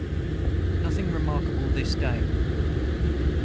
Nothing remarkable this day.